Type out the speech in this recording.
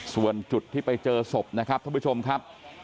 ส่วนจุดที่ไปเจอศพนะครับท่านผู้ชมครับ